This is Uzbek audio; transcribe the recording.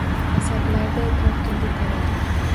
Аsablarday tortildi tarang.